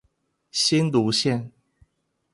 新蘆線